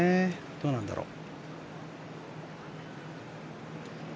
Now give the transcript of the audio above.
どうなんだろう。